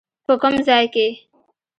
په کوم ځای کې؟